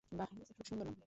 বাহ্, খুব সুন্দর নাম।